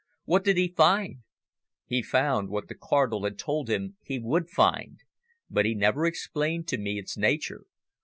What did he find?" "He found what the Cardinal had told him he would find. But he never explained to me its nature.